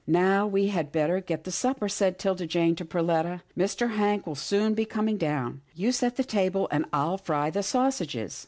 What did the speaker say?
" Now we had better get the supper," said 'Tilda Jane to Perletta. " Mr. Hank will soon be coming down. You set the table, and I'll fry the sausages."